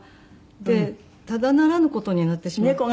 でただならぬ事になってしまって。